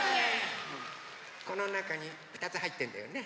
このなかにふたつはいってんだよね？